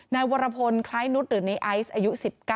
นายวรพลใคร้นุอายุ๑๙